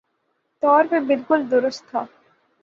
طور پہ بالکل درست تھا